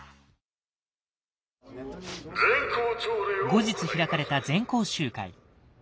後日開かれた全校集会。